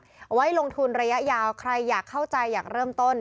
เอาไว้ลงทุนระยะยาวใครอยากเข้าใจอยากเริ่มต้น